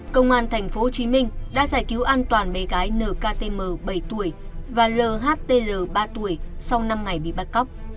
công an tp hcm đã giải cứu an toàn bé gái nktm bảy tuổi và lhtl ba tuổi sau năm ngày bị bắt cóc